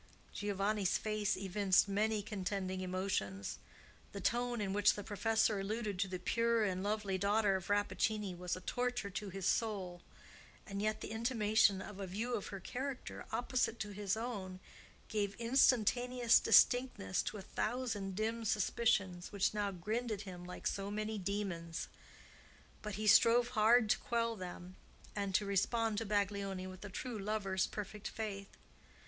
Giovanni's face evinced many contending emotions. The tone in which the professor alluded to the pure and lovely daughter of Rappaccini was a torture to his soul; and yet the intimation of a view of her character opposite to his own, gave instantaneous distinctness to a thousand dim suspicions, which now grinned at him like so many demons. But he strove hard to quell them and to respond to Baglioni with a true lover's perfect faith.